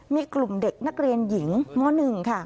มีกลุ่มเด็กนักเรียนหญิงม๑ค่ะ